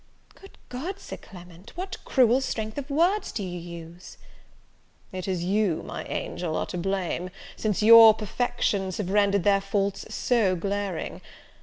"Good God, Sir Clement, what cruel strength of words do you use!" "It is you, my angel, are to blame, since your perfections have rendered their faults so glaring.